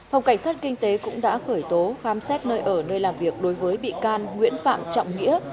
phòng cảnh sát kinh tế cũng đã khởi tố khám xét nơi ở nơi làm việc đối với bị can nguyễn phạm trọng nghĩa